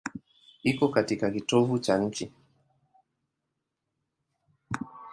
Iko katika kitovu cha nchi.